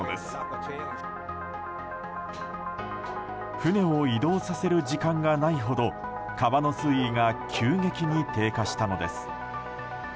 船を移動させる時間がないほど川の水位が急激に低下したのです。